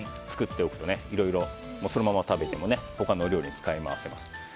作っておくと、いろいろこのそのまま食べても他の料理に使い回せます。